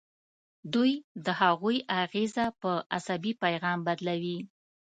دوی د هغوی اغیزه په عصبي پیغام بدلوي.